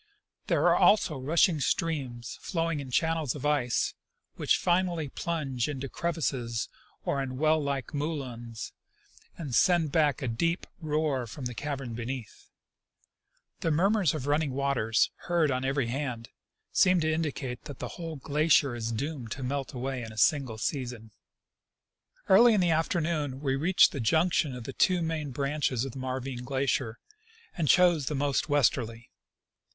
There are also rushing streams, flowing in channels of ice, which finally plunge into crevasses or in well like moulins and send back a deep roar from the caverns beneath. The murmurs of running waters, heard on every hand, seem to indicate that the whole glacier is doomed to melt away in a single season. Early in the afternoon we reached the junction of the two main branches of the Marvine glacier, and chose the most westerly.